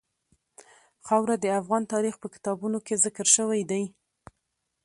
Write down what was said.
خاوره د افغان تاریخ په کتابونو کې ذکر شوی دي.